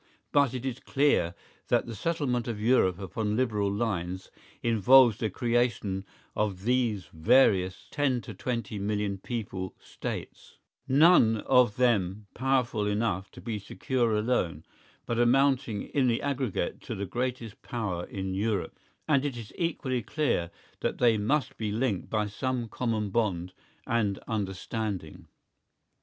But it is clear that the settlement of Europe upon liberal lines involves the creation of these various ten to twenty million people States, none of them powerful enough to be secure alone, but amounting in the aggregate to the greatest power in Europe, and it is equally clear that they must be linked by some common bond and understanding.